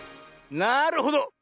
なるほど。